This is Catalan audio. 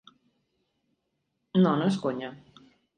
No, no és conya.